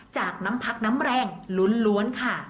จากน้ำพักน้ำแรงล้วนค่ะ